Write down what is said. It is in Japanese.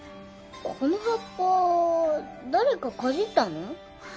この葉っぱ誰かかじったの？